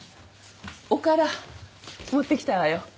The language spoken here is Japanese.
おから持ってきたわよ。